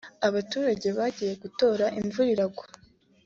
abaturage bagiye gutoraimvura igwa